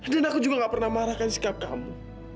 dan aku juga gak pernah marahkan sikap kamu